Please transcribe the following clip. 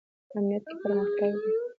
امنیت کې پرمختګ دی